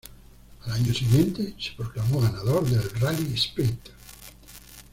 Al año siguiente se proclamó ganador del Rally Sprint.